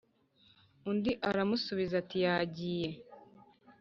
undi aramusubiza ati yagiye